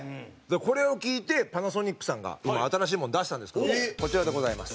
これを聞いてパナソニックさんが新しいものを出したんですけどこちらでございます。